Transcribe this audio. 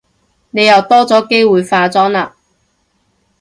你又多咗機會化妝喇